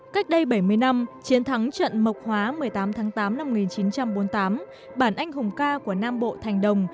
cách đây bảy mươi năm chiến thắng trận mộc hóa một mươi tám tháng tám năm một nghìn chín trăm bốn mươi tám bản anh hùng ca của nam bộ thành đồng